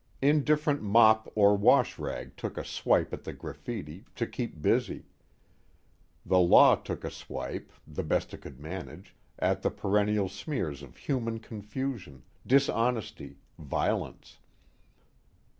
Indifferent mop or washrag took a swipe at the graffiti, to keep busy; the law took a swipe, the best it could manage, at the perennial smears of human confusion, dishonesty, violence.